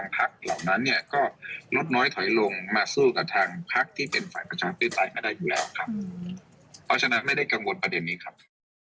เพราะฉะนั้นไม่ได้กังวลประเด็นนี้ครับ